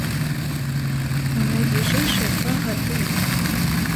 У найбліжэйшыя два гады!